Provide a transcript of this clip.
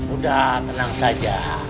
udah tenang saja